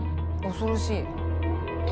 恐ろしい。